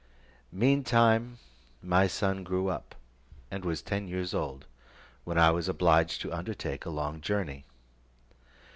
Mean time my son grew up, and was ten years old, when I was obliged to undertake a long journey.